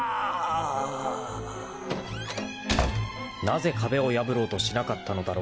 ［なぜ壁を破ろうとしなかったのだろう］